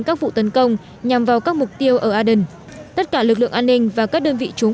các vụ tấn công nhằm vào các mục tiêu ở aden tất cả lực lượng an ninh và các đơn vị chống